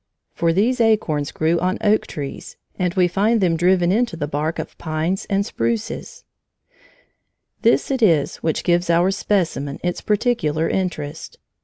For these acorns grew on oak trees, and we find them driven into the bark of pines and spruces. This it is which gives our specimen its particular interest.